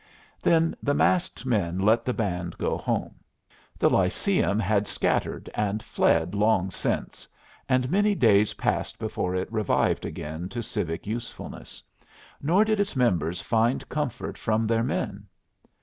Then the masked men let the band go home. The Lyceum had scattered and fled long since, and many days passed before it revived again to civic usefulness, nor did its members find comfort from their men.